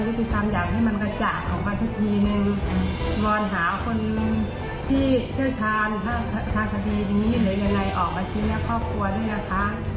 แล้วก็คิดถึงความอยากให้มันกระจ่างของก็สักทีนึงร้อนหาคนที่เชื่อชาญภาคดีอย่างนี้เหลืออย่างไรออกมาชิ้นแม่ครอบครัวด้วยนะคะ